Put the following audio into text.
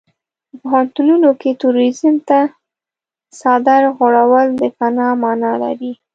په پوهنتونونو کې تروريزم ته څادر غوړول د فناه مانا لري.